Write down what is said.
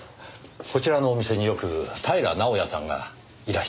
こちらのお店によく平直哉さんがいらしてましたよね？